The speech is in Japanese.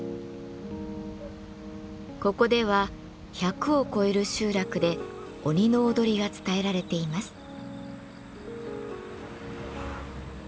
ここでは１００を超える集落で鬼の踊りが伝えられています。